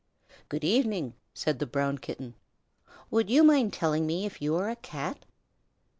"Good evening," said the Brown Kitten. "Would you mind telling me if you are a Cat."